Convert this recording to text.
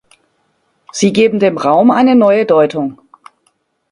Sie geben dem Raum eine neue Deutung.